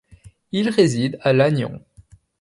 Il réside à Lannion.